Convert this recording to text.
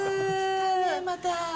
来たねまた。